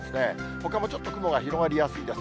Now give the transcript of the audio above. ほかもちょっと雲が広がりやすいです。